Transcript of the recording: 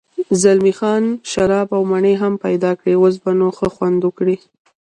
زلمی خان شراب او مڼې هم پیدا کړې، اوس به نو ښه خوند وکړي.